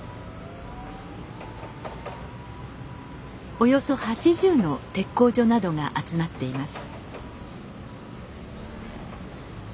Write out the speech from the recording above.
およそ８０の鉄工所などが集まっています。